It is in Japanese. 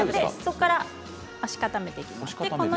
ここから押し固めていきます。